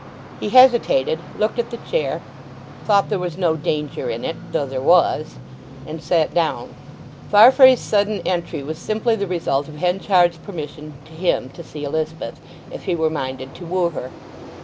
He hesitated, looked at the chair, thought there was no danger in it (though there was), and sat down. Farfrae's sudden entry was simply the result of Henchard's permission to him to see Elizabeth if he were minded to woo her.